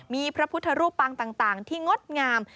มีพระพุทธรูปปางต่างที่งดงาม